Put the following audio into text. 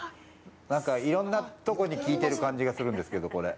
なんかいろんなところに効いてる感じがするんですけど。